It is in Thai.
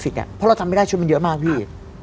เพราะเราทำไม่ได้ชุดมันเยอะมากพี่